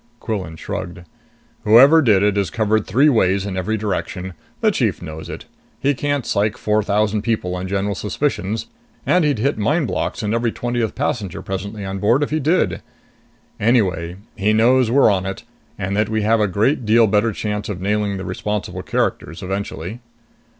Quillan shrugged. "Whoever did it is covered three ways in every direction. The chief knows it. He can't psych four thousand people on general suspicions, and he'd hit mind blocks in every twentieth passenger presently on board if he did. Anyway he knows we're on it, and that we have a great deal better chance of nailing the responsible characters eventually."